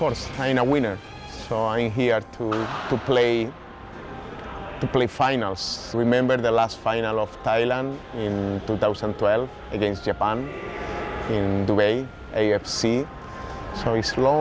นั่นคือการคว้าเหรียญทองให้ได้